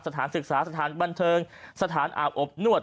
สถานศึกษาสถานบันเทิงสถานอาบอบนวด